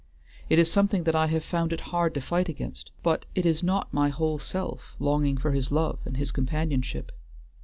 "It is something that I have found it hard to fight against, but it is not my whole self longing for his love and his companionship.